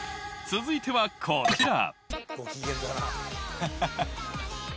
続いてはこちら